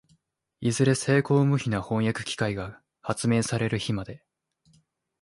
いずれ精巧無比な飜訳機械が発明される日まで、